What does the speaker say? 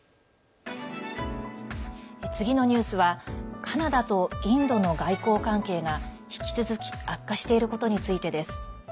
次のニュースはカナダとインドの外交関係が引き続き悪化していることについてです。